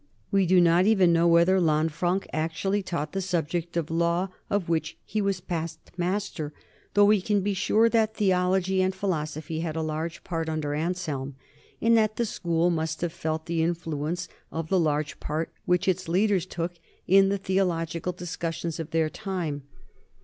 We do not even know whether Lanfranc actu ally taught the subject of law of which he was past mas ter, though we can be sure that theology and philosophy had a large place under Anselm, and that the school must have felt the influence of the large part which its leaders took in the theological discussions of their time.